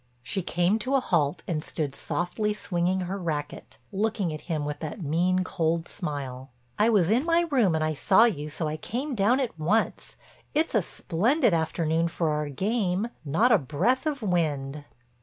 She came to a halt and stood softly swinging her racket, looking at him with that mean, cold smile. "I was in my room and saw you so I came down at once. It's a splendid afternoon for our game, not a breath of wind."